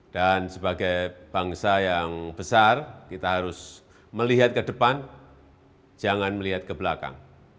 dan sebagai bangsa yang besar kita harus melihat ke depan jangan melihat ke belakang